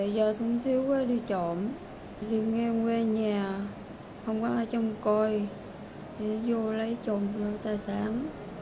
giờ thông thiếu quá đi trộn đi ngang quê nhà không có ở trong côi đi vô lấy trộn cắp tài sản